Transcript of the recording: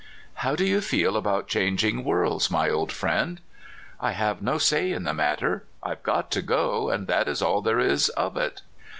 '* How do you feel about changing worlds, my old friend? "'* I have no say in the matter. / have got to go, and that is all there is of it.''